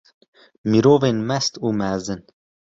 Mirovên mest û mezin!